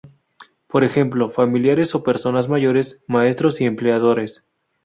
Por ejemplo, familiares o personas mayores, maestros y empleadores.